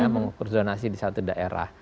mengukur zonasi di satu daerah